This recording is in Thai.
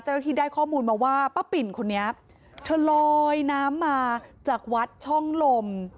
ได้ข้อมูลมาว่าป้าปิ่นคนนี้เธอลอยน้ำมาจากวัดช่องลม